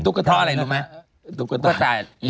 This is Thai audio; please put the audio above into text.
ตุ๊กตาลูกเทพตุ๊กตาลูกเทพ